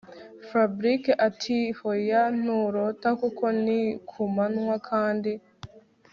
Fabric atihoya nturota kuko ni kumanwa kandi